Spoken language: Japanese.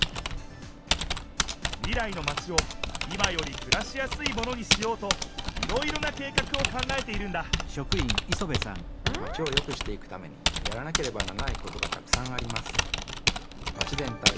未来のマチを今よりくらしやすいものにしようといろいろな計画を考えているんだマチをよくしていくためにやらなければならないことがたくさんあります。